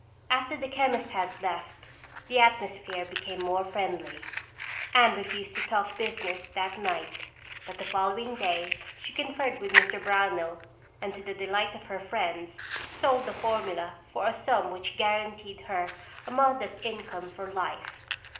After the chemist had left, the atmosphere became more friendly. Anne refused to talk business that night but the following day she conferred with Mr. Brownell and to the delight of her friends sold the formula for a sum which guaranteed her a modest income for life.